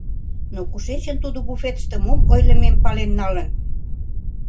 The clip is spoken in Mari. Но кушечын тудо буфетыште мом ойлымем пален налын?